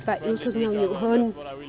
và yêu thương nhau nhiều hơn